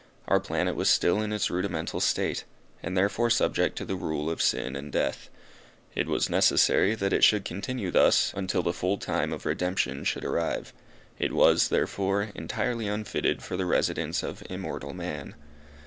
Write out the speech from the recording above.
Our planet was still in its rudimental state, and therefore subject to the rule of sin and death. It was necessary that it should continue thus, until the full time of redemption should arrive; it was, therefore, entirely unfitted for the residence of immortal man.